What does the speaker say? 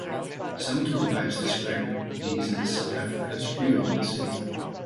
Some tour guides describe these as South Africa's "real" lost city.